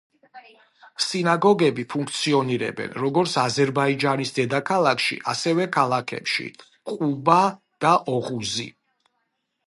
სინაგოგები ფუნქციონირებენ, როგორც აზერბაიჯანის დედაქალაქში, ასევე ქალაქებში ყუბა და ოღუზი.